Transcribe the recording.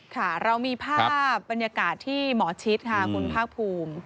ค่ะเรามีภาพบรรยากาศที่หมอชิดค่ะคุณภาคภูมิ